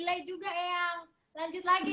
lanjut lagi ya saya mau